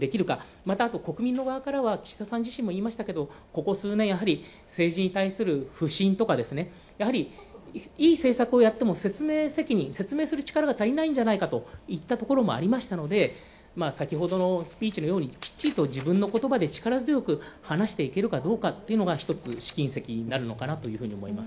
また、国民の側からは岸田さん自身も言いましたけどここ数年、政治に対する不信とかやはりいい政策をやっても説明責任、説明する力が足りないんじゃないかといったところもありましたので、先ほどのスピーチのようにきっちりと自分のことばで力強く話していけるのか一つ、試金石になるのかなと思います。